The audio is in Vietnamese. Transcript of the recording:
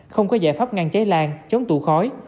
không có giải pháp ngăn cháy lan chống tụ khói